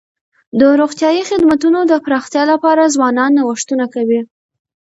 د روغتیايي خدمتونو د پراختیا لپاره ځوانان نوښتونه کوي.